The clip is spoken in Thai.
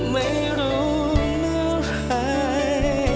ไม่รู้เมื่อไร